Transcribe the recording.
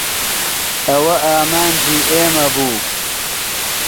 ئەوە ئامانجی ئێمە بوو.